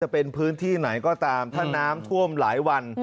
เป็นพื้นที่ไหนก็ตามถ้าน้ำท่วมหลายวัน